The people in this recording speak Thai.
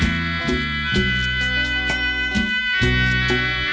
อินโทรเพลงที่๗มูลค่า๒๐๐๐๐๐บาทครับ